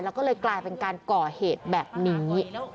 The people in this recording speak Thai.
แล้วก็เลยกลายเป็นการก่อเหตุแบบนี้